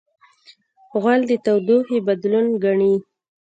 غول د تودوخې بدلون ګڼي.